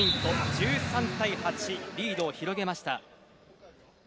１３対８リードを広げました。